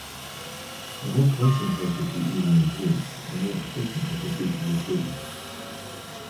The more concentrated the eluent is, the more efficient the procedure would be.